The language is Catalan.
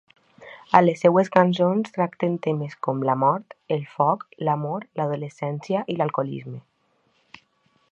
A les seues cançons tracten temes com la mort, el foc, l'amor, l'adolescència i l'alcoholisme.